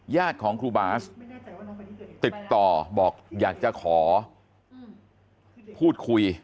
ของครูบาสติดต่อบอกอยากจะขอพูดคุย